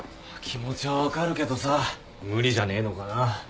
気持ちは分かるけどさ無理じゃねえのかな。